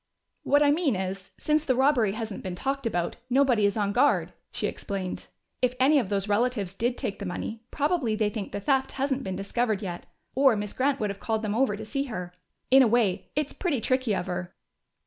"What I mean is, since the robbery hasn't been talked about, nobody is on guard," she explained. "If any of those relatives did take the money, probably they think the theft hasn't been discovered yet, or Miss Grant would have called them over to see her. In a way, it's pretty tricky of her."